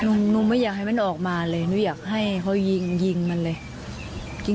หนูหนูไม่อยากให้มันออกมาเลยหนูอยากให้เขายิงยิงมันเลย